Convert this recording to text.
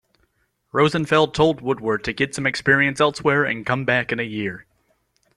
Rosenfeld told Woodward to get some experience elsewhere and come back in a year.